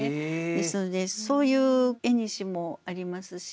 ですのでそういうえにしもありますし。